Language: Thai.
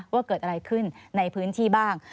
ว่าเกิดอะไรขึ้นในพื้นที่บ้าง